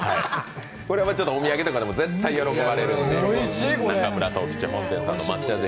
これはお土産とかにも絶対喜ばれますので。